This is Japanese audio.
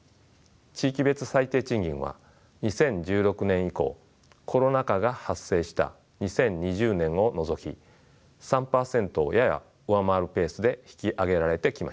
地域別最低賃金は２０１６年以降コロナ禍が発生した２０２０年を除き３％をやや上回るペースで引き上げられてきました。